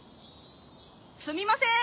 すみません。